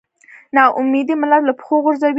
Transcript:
نا اميدي ملت له پښو غورځوي.